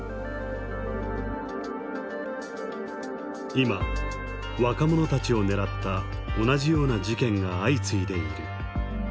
今若者たちを狙った同じような事件が相次いでいる。